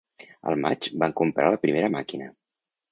Al maig van comprar la primera màquina.